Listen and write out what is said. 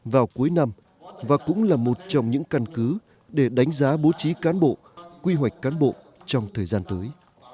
và cũng là một trong những căn cứ để đánh giá bố trí cán bộ quy hoạch cán bộ trong thời gian tới